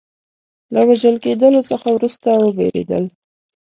له وژل کېدلو څخه وروسته وبېرېدل.